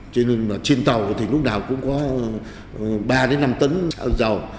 cho nên trên tàu thì lúc nào cũng có ba đến năm tấn dầu